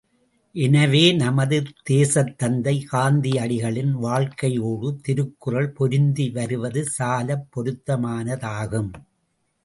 எனவே நமது தேசத்தந்தை காந்தியடிகளின் வாழ்க்கையோடு திருக்குறள் பொருந்தி வருவது சாலப் பொருத்தமானதாகும்.